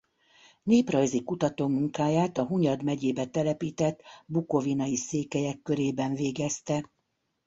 Néprajzi kutatómunkáját a Hunyad megyébe telepített bukovinai székelyek körében végezte.